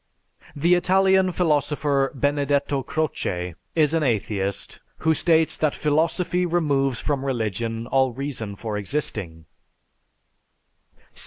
The Italian philosopher Benedetto Croce is an atheist who states that philosophy removes from religion all reason for existing.